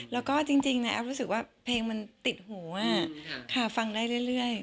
แล้วก็จริงนะแอฟรู้สึกว่าเพลงมันติดหูค่ะฟังได้เรื่อย